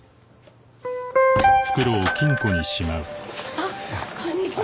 あっこんにちは。